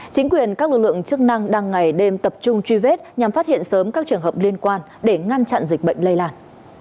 chính quyền các lực lượng chức năng đang ngày đêm tập trung truy vết nhằm phát hiện sớm các trường hợp liên quan để ngăn chặn dịch bệnh lây lan